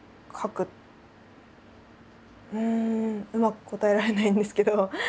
うんうまく答えられないんですけど。